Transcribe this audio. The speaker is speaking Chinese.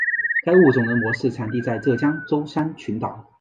该物种的模式产地在浙江舟山群岛。